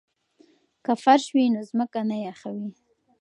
که فرش وي نو ځمکه نه یخوي.